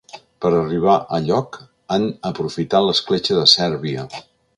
Per arribar a lloc, han aprofitat l’escletxa de Sèrbia.